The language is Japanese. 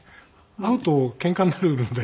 会うとけんかになるので。